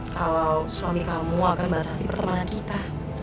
kalau suami kamu akan batasi pertemanan kita